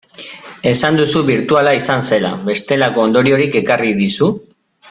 Esan duzu birtuala izan zela, bestelako ondoriorik ekarri dizu?